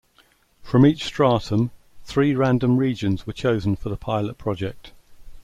From each stratum, three random regions were chosen for the pilot project.